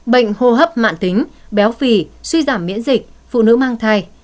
bệnh hô hấp mạng tính béo phì suy giảm miễn dịch phụ nữ mang thai